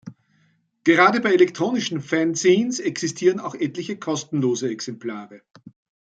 Gerade bei den elektronischen Fanzines existieren auch etliche kostenlose Exemplare.